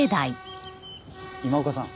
今岡さん